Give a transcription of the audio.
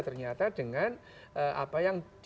ternyata dengan apa yang